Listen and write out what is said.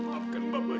maafkan harga pak